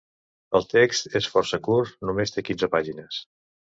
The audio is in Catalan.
El text és força curt, només té quinze pàgines.